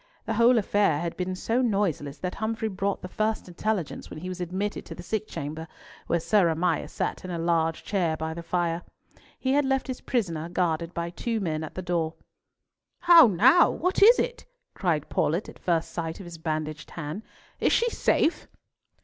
The whole affair had been so noiseless, that Humfrey brought the first intelligence when he was admitted to the sick chamber, where Sir Amias sat in a large chair by the fire. He had left his prisoner guarded by two men at the door. "How now! What is it?" cried Paulett at first sight of his bandaged hand. "Is she safe?"